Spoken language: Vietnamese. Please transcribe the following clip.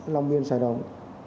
long biên sài đồng